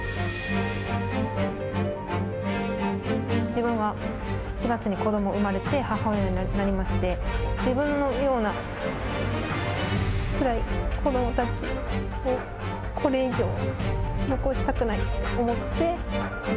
自分は４月に子どもが産まれて、母親になりまして、自分のようなつらい子どもたちを、これ以上、残したくないって思って。